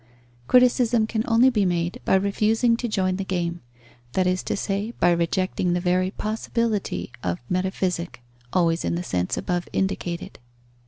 Criticism can only be made by refusing to join the game; that is to say, by rejecting the very possibility of metaphysic, always in the sense above indicated.